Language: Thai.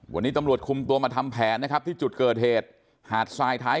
วันนี้ตำรวจคุมตัวมาทำแผนนะครับที่จุดเกิดเหตุหาดทรายท้าย